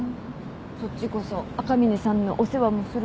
そっちこそ赤嶺さんのお世話もするくせに。